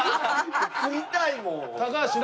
食いたいもん！